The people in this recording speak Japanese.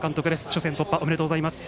初戦突破、おめでとうございます。